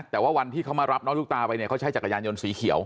แต่ว่าวันที่เขามารับน้องลูกตาไปเนี่ยเขาใช้จักรยานยนต์สีเขียว